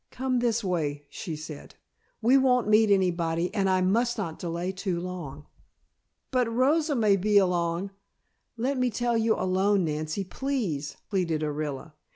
"Come this way," she said. "We won't meet anybody and I must not delay too long." "But Rosa may be along " "Let me tell you alone, Nancy, please," pleaded Orilla.